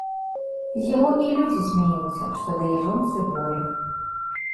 З яго і людзі смяюцца, што дае жонцы волю.